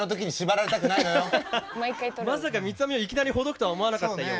まさか三つ編みをいきなりほどくとは思わなかったよ。